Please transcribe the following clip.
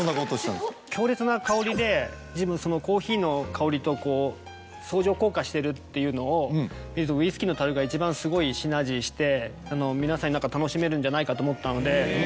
強烈な香りでコーヒーの香りと相乗効果してるっていうのをウイスキーの樽が一番すごいシナジーして皆さんに何か楽しめるんじゃないかと思ったので。